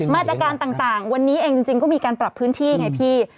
มาตรการต่างวันนี้เองจริงก็มีการปรับพื้นที่ไงพี่